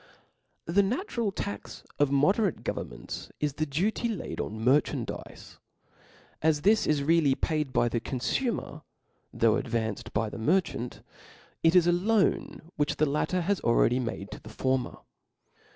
The natural tax of moderate governments, is the duty laid on merchandizes. As this is really paid by the confumer, though advanced by the mer chant, it is a loan which the latter has already made to the former.